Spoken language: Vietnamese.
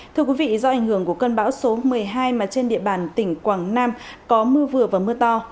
thưa quý vị do ảnh hưởng của cơn bão số một mươi hai mà trên địa bàn tỉnh quảng nam có mưa vừa và mưa to